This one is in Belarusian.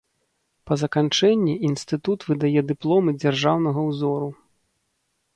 Па заканчэнні інстытут выдае дыпломы дзяржаўнага ўзору.